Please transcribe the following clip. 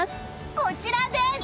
こちらです！